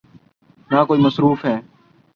نہ کوئی مصرف ہے۔